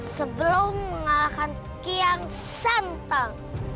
sebelum mengalahkan kian santal